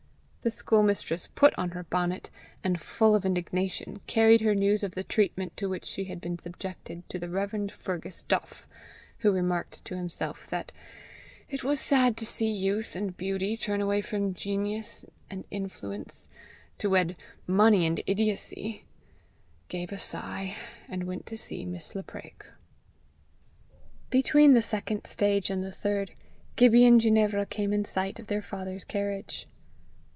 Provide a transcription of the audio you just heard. The schoolmistress put on her bonnet, and full of indignation carried her news of the treatment to which she had been subjected to the Rev. Fergus Duff, who remarked to himself that it was sad to see youth and beauty turn away from genius and influence to wed money and idiocy, gave a sigh, and went to see Miss Lapraik. Between the second stage and the third, Gibbie and Ginevra came in sight of their father's carriage.